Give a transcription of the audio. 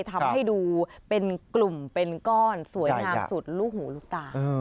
ทำให้ดูเป็นกลุ่มเป็นก้อนสวยงามสุดลูกหูลูกตา